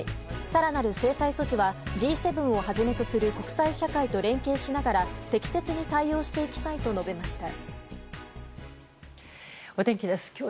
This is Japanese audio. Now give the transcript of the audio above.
更なる制裁措置はＧ７をはじめとする国際社会と連携しながら適切に対応していきたいと述べました。